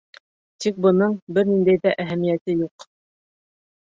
Тик бының бер ниндәй ҙә әһәмиәте юҡ.